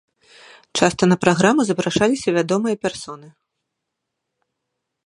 Часта на праграму запрашаліся вядомы персоны.